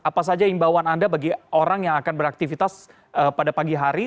apa saja imbauan anda bagi orang yang akan beraktivitas pada pagi hari